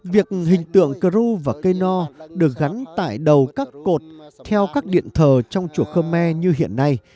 việc hình tượng cờ ru và cây no được gắn tại đầu các cột theo các điện thờ trong chùa khơ me như hiện nay